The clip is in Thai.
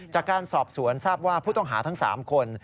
จากการสอบสวนทราบว่าผู้ต้องหาทั้ง๓คน